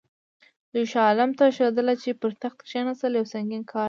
دوی شاه عالم ته ښودله چې پر تخت کښېنستل یو سنګین کار دی.